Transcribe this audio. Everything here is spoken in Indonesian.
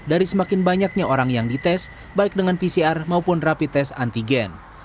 dari semakin banyaknya orang yang dites baik dengan pcr maupun rapi tes antigen